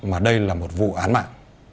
mà đây là một vụ án mạng